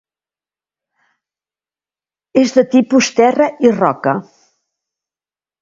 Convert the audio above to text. És de tipus terra i roca.